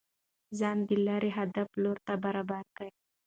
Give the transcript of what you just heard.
ځان د ليري هدف لور ته برابر كه